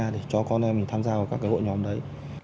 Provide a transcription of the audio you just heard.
để cho con em mình tham gia vào các cái hội nhóm đấy